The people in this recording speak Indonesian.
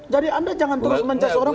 jadi anda jangan terus mencari orang